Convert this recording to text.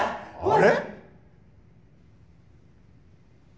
あれ？